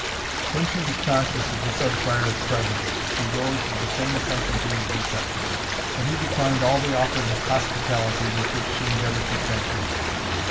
When she was conscious of the Sub Prior's presence, she rose with the same attention to his reception; but he declined all the offers of hospitality with which she endeavoured to tempt him.